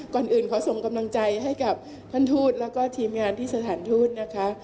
ก่อนอื่นขอส่งกำลังใจให้กับท่านทูตแล้วก็ทีมงานที่สถานทูตนะคะ